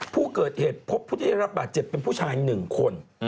ผู้เกิดเหตุพบผู้ที่ได้รับบาดเจ็บเป็นผู้ชาย๑คน